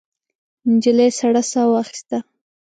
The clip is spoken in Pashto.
نجلۍ سړه ساه واخیسته.